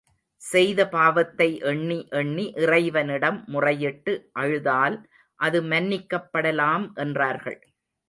செய்த பாவத்தை எண்ணி எண்ணி இறைவனிடம் முறையிட்டு, அழுதால் அது மன்னிக்கப்படலாம், என்றார்கள்.